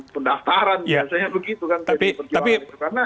pendaftaran biasanya begitu kan pdi perjuangan